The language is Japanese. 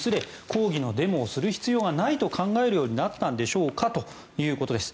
抗議のデモをする必要がないと考えるようになったんでしょうかということです。